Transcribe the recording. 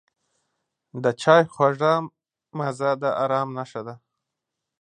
د چای خوږه مزه د آرام نښه ده.